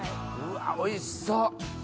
うわおいしそう。